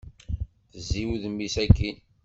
Tezzi udem-nnes akkin.